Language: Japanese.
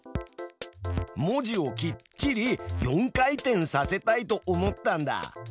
文字をきっちり４回転させたいと思ったんだ。